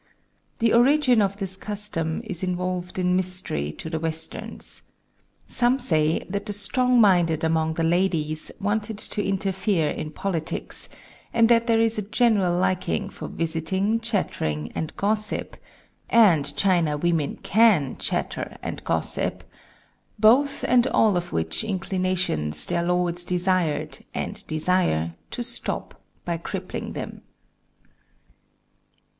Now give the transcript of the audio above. The origin of this custom is involved in mystery to the Westerns. Some say that the strong minded among the ladies wanted to interfere in politics, and that there is a general liking for visiting, chattering, and gossip (and China women can chatter and gossip), both and all of which inclinations their lords desired, and desire, to stop by crippling them."